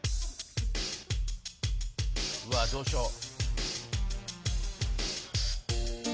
うわどうしよう？